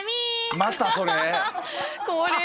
またそれ？